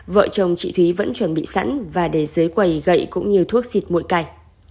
vợ chồng chị thúy vẫn chuẩn bị sẵn và để dưới quầy gậy cũng như thuốc xịt mũi cày